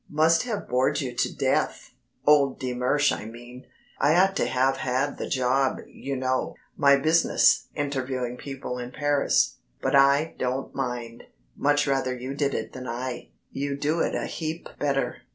Must have bored you to death ... old de Mersch I mean. I ought to have had the job, you know. My business, interviewing people in Paris. But I don't mind. Much rather you did it than I. You do it a heap better."